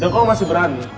dan kalo masih berani